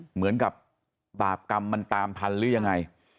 เหมือนกับบาปกรรมมันตามทันหรือยังไง